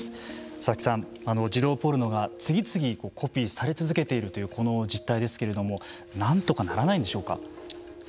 佐々木さん、児童ポルノが次々コピーされ続けているというこの実態ですけれども何とかならないんでしょうか。